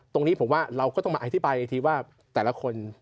ตรงนี้ผมว่าเราก็ต้องมาอธิบายอีกทีว่าแต่ละคน